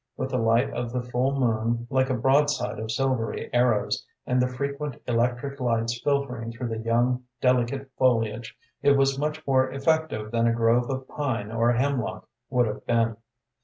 With the light of the full moon, like a broadside of silvery arrows, and the frequent electric lights filtering through the young, delicate foliage, it was much more effective than a grove of pine or hemlock would have been.